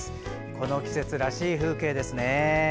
この季節らしい風景ですね。